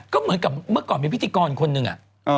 ก็เหมือนกับเมื่อก่อนมีพิธีกรคนหนึ่งอะ